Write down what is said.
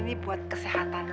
ini buat kesehatan lo